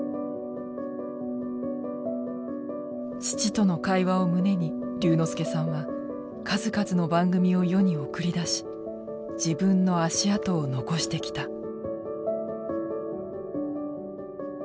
父との会話を胸に龍之介さんは数々の番組を世に送り出し自分の足跡を残してきた。